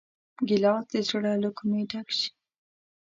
ګیلاس د زړه له کومي ډک شي.